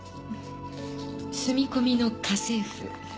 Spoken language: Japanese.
住み込みの家政婦。